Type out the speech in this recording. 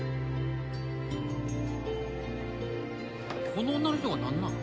この女の人がなんなん？